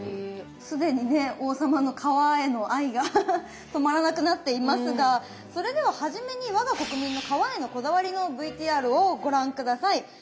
既にね王様の皮への愛が止まらなくなっていますがそれでは初めに我が国民の皮へのこだわりのＶＴＲをご覧下さい。